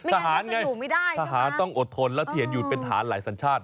อ้าวทหารเนี่ยทหารต้องอดทนแล้วเถียนหยุดเป็นทหารหลายสัญชาติ